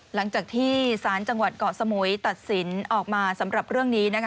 หลังจากที่สารจังหวัดเกาะสมุยตัดสินออกมาสำหรับเรื่องนี้